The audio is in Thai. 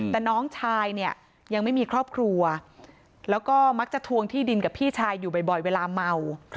แต่น้องชายเนี่ยยังไม่มีครอบครัวแล้วก็มักจะทวงที่ดินกับพี่ชายอยู่บ่อยเวลาเมา